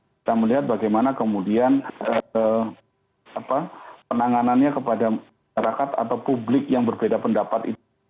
kita melihat bagaimana kemudian penanganannya kepada masyarakat atau publik yang berbeda pendapat itu